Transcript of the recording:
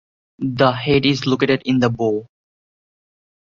The head is located in the bow.